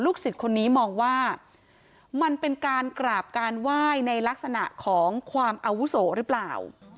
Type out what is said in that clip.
สิทธิ์คนนี้มองว่ามันเป็นการกราบการไหว้ในลักษณะของความอาวุโสหรือเปล่า